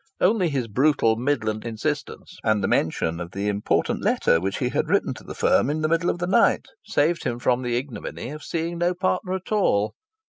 Only his brutal Midland insistence, and the mention of the important letter which he had written to the firm in the middle of the night, saved him from the ignominy of seeing no partner at all.